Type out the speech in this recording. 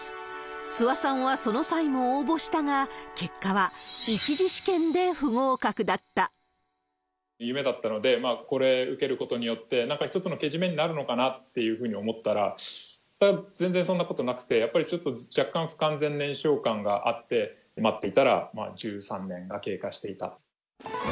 諏訪さんはその際も応募したが、夢だったので、これを受けることによって、なんか、一つのけじめになるのかなと思ったら、全然そんなことなくて、やっぱりちょっと、若干不完全燃焼感があって、待っていたら１３年が経過していた。